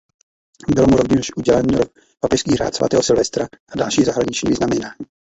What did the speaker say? Byl mu rovněž udělen papežský Řád svatého Silvestra a další zahraniční vyznamenání.